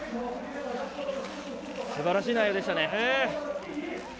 すばらしい内容でしたね。